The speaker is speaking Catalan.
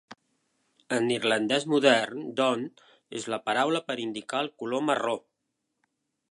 En irlandès modern, "donn" és la paraula per indicar el color marró.